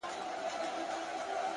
ځمه گريوان پر سمندر باندي څيرم ـ